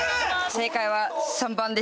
正解は３番でした。